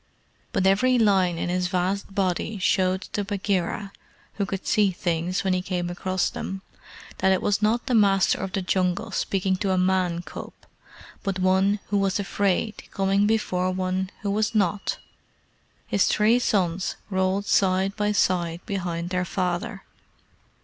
But every line in his vast body showed to Bagheera, who could see things when he came across them, that it was not the Master of the Jungle speaking to a Man cub, but one who was afraid coming before one who was not. His three sons rolled side by side, behind their father.